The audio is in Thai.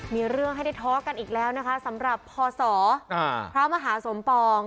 มีเรื่องให้ได้ท้อกันอีกแล้วนะคะสำหรับพศพระมหาสมปอง